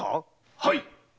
はい！